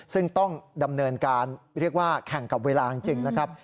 ซึ่งต้องดำเนินการเรียกว่าแข่งกับเวลาจริงนะครับ